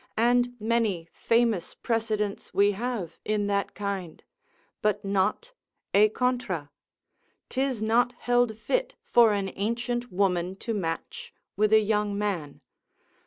and many famous precedents we have in that kind; but not e contra: 'tis not held fit for an ancient woman to match with a young man.